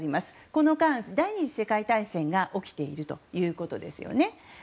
この間、第２次世界大戦が起きているということですね。